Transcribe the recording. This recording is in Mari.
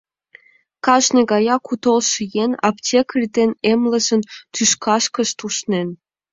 Кажне гаяк у толшо еҥ аптекарь ден эмлызын тӱшкашкышт ушнен.